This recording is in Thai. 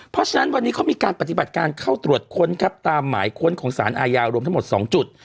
เพราะฉะนั้นวันนี้เขามีการปฏิบัติการเข้าตรวจค้นครับตามหมายค้นของสารอาญารวมทั้งหมด๒จุด